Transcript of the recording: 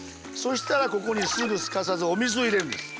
したらここにすぐすかさずお水を入れるんです。